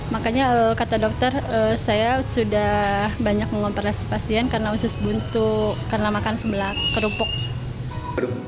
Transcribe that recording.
makanya kata dokter saya sudah banyak mengomplas pasien karena usus buntu